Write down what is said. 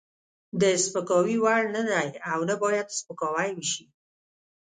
د سپکاوي وړ نه دی او نه باید سپکاوی وشي.